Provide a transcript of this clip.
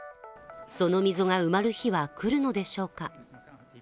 その溝が埋まる日は来るのでしょうか。